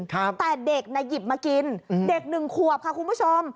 แต่เด็กน่ะหยิบมากินเด็กหนึ่งขวบค่ะคุณผู้ชม